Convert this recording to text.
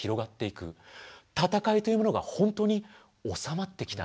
戦いというものが本当に収まってきた。